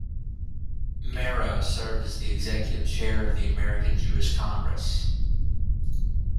Marrow, served as the executive chair of the American Jewish Congress.